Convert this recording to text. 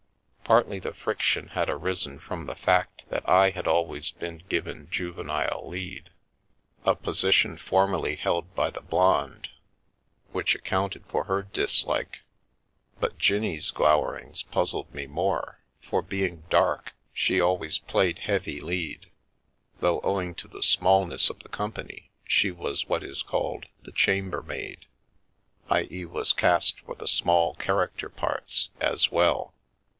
Partly the fric tion had arisen from the fact that I had always been given juvenile lead, a position formerly held by the Blonde, which accounted for her dislike; but Jinnie's glowerings puzzled me more, for, being dark, she al ways played heavy lead, though, owing to the smallness of the company, she was what is called " the chamber maid," i.e., was cast for the small character parts, as well.